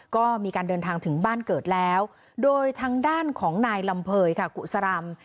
ก็มีการเดินทางถึงบ้านเกิดแล้วโดยทางด้านของนายลำเภยค่ะกุศรำ